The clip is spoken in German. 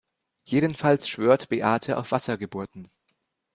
Jedenfalls schwört Beate auf Wassergeburten.